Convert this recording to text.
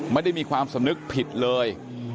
ไม่ได้มีความสำนึกผิดเลย